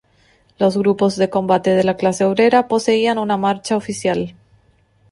Los Grupos de Combate de la Clase Obrera poseían una marcha oficial.